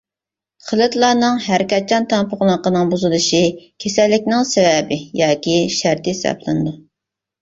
خىلىتلارنىڭ ھەرىكەتچان تەڭپۇڭلۇقىنىڭ بۇزۇلۇشى كېسەللىكنىڭ سەۋەبى ياكى شەرتى ھېسابلىنىدۇ.